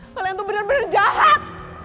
kalian tuh bener bener jahat